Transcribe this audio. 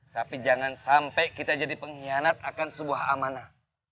tapi jangan sampai kita jadi pengkhianat akan sebuah amanah